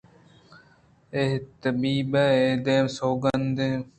اے طبیب ءَ ہم سوگند وارتگ اَت